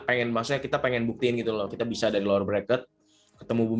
pertama di grand final kita tidak perlu berpikir menang